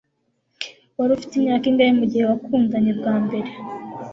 Wari ufite imyaka ingahe mugihe wakundanye bwa mbere